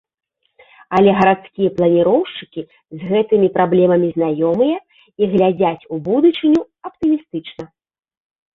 Але гарадскія планіроўшчыкі з гэтымі праблемамі знаёмыя, і глядзяць у будучыню аптымістычна.